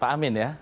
pak amin ya